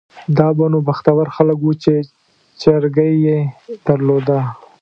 دا به نو بختور خلک وو چې چرګۍ یې درلوده.